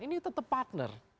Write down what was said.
ini tetap partner